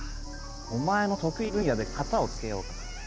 お前の得意分野で片をつけようか。